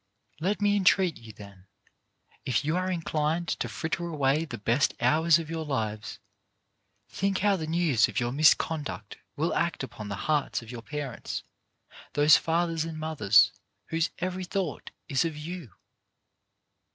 Let me entreat you, then, if you are inclined to fritter away the best hours of your lives, think how the news of your misconduct will act upon the hearts of your parents, those fathers and mothers whose every thought is of you.